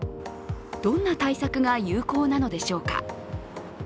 どんな対策が有効なのでしょうか。